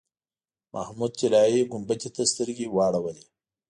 محمود طلایي ګنبدې ته سترګې واړولې.